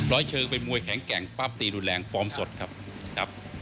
ร้อยเชิงเป็นมวยแข็งแกร่งป้ามตีดูดแรงฟอร์มสดครับ